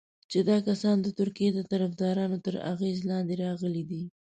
چې دا کسان د ترکیې د طرفدارانو تر اغېز لاندې راغلي دي.